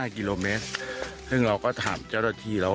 กิโลเมตรซึ่งเราก็ถามเจ้าหน้าที่แล้ว